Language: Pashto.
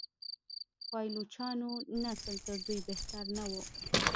پایلوچانو نسل تر دوی بهتر نه و.